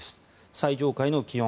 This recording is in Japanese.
最上階の気温。